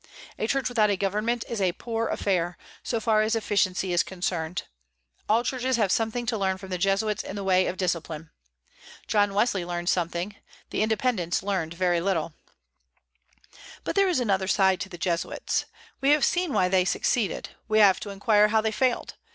A church without a government is a poor affair, so far as efficiency is concerned. All churches have something to learn from the Jesuits in the way of discipline. John Wesley learned something; the Independents learned very little, But there is another side to the Jesuits. We have seen why they succeeded; we have to inquire how they failed.